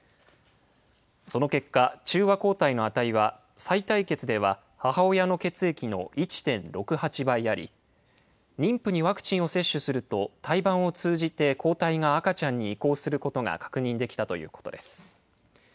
その結果、中和抗体の値はさい帯血では母親の血液の１．６８倍あり、妊婦にワクチンを接種すると胎盤を通じて抗体が赤ちゃんに移行することが確認できたということです。